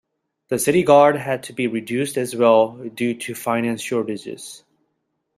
The city guard had to be reduced as well due to finance shortages.